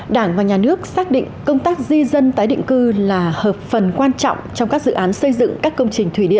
đảng và nhà nước xác định công tác di dân tái định cư là hợp phần quan trọng trong các dự án xây dựng các công trình thủy